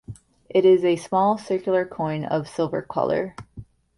It is a small, circular coin of silver colour.